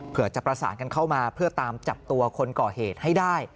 เพื่อจะประสานกันเข้ามาเพื่อตามจับตัวคนก่อเหตุให้ได้